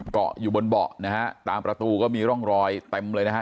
เกาะอยู่บนเบาะนะฮะตามประตูก็มีร่องรอยเต็มเลยนะฮะ